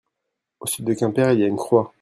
Au sud de Quimper il y a une croix.